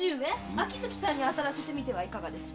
秋月さんにあたらせみてはいかがです？